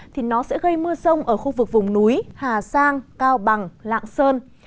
thì nó sẽ gây mưa sông ở khu vực vùng núi hà sang cao bằng lạng sơn